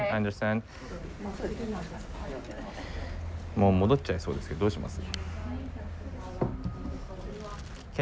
もう戻っちゃいそうですけどどうします？